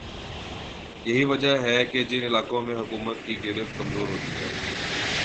یہی وجہ ہے کہ جن علاقوں میں حکومت کی گرفت کمزور ہوتی ہے